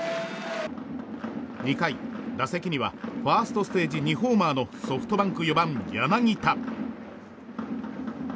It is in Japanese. ２回、打席にはファーストステージ２ホーマーのソフトバンク４番、柳田。